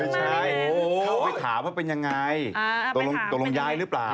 ใช่เขาไปถามว่าเป็นยังไงตกลงย้ายหรือเปล่า